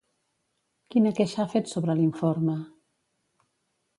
Quina queixa ha fet sobre l'informe?